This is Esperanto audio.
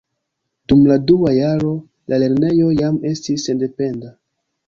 Dum la dua jaro la lernejo jam estis sendependa.